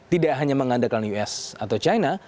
tidak hanya mengandalkan us atau china